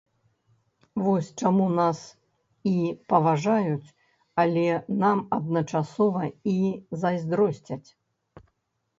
Вось чаму нас і паважаюць, але нам адначасова і зайздросцяць.